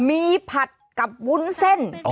มีผัดกับวุ้นเส้น